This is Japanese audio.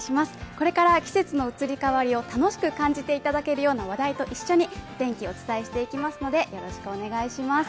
これから季節の移り変わりを楽しく感じていただけるような話題と一緒に天気をお伝えしていきますので、よろしくお願いします